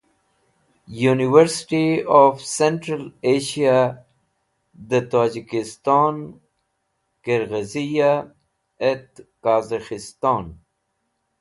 Universiy of Central Asia (UCA) de Tojikiston; Kirghiza et Kazakhistan